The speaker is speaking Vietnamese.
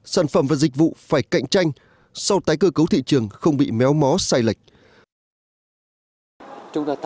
sản phẩm và dịch vụ phải cạnh tranh sau tái cơ cấu thị trường không bị méo mó sai lệch